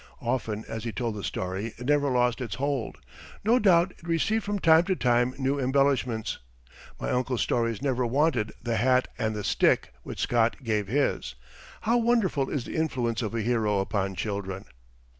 Often as he told the story it never lost its hold. No doubt it received from time to time new embellishments. My uncle's stories never wanted "the hat and the stick" which Scott gave his. How wonderful is the influence of a hero upon children!